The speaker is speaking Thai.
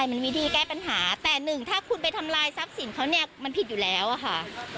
มันวิธีแก้ปัญหาแต่หนึ่งถ้าคุณไปทำลายทรัพย์สินเขาเนี่ยมันผิดอยู่แล้วอะค่ะ